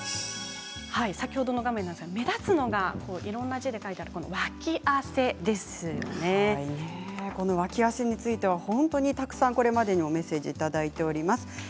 先ほどの画面ですが目立つのがいろんな字で書いている脇汗について本当にたくさんメッセージいただいています。